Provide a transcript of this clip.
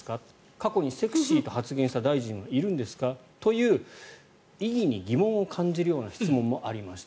過去にセクシーと発言した大臣はいるんですか？という、意義に疑問を感じるような質問もありました。